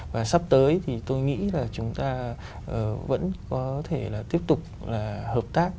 và sắp tới thì tôi nghĩ là chúng ta vẫn có thể là tiếp tục là hợp tác